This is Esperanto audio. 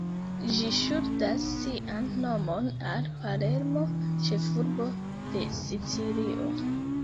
Ĝi ŝuldas sian nomon al Palermo, ĉefurbo de Sicilio.